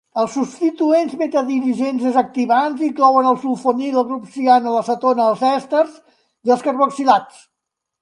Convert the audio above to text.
Els substituents metadirigents desactivants inclouen el sulfonil, el grup ciano, la cetona, els èsters i els carboxilats.